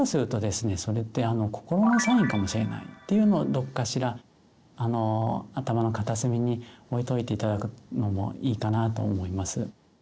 それって心のサインかもしれないっていうのをどこかしら頭の片隅に置いといて頂くのもいいかなと思います。